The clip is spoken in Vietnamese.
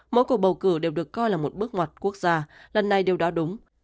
mỗi cuộc bầu cử đều được coi là một bước ngoặt quốc gia lần này đều đó đúng